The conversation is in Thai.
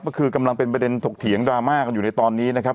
ก็คือกำลังเป็นประเด็นถกเถียงดราม่ากันอยู่ในตอนนี้นะครับ